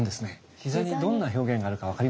膝にどんな表現があるか分かりますか？